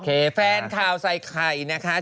แฟนข่าวใส่ไข่นะคะ